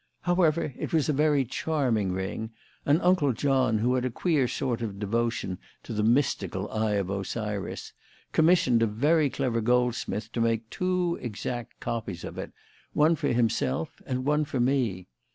However, it was a very charming ring, and Uncle John, who had a queer sort of devotion to the mystical Eye of Osiris, commissioned a very clever goldsmith to make two exact copies of it, one for himself and one for me.